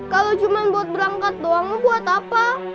kalau cuma buat berangkat doang buat apa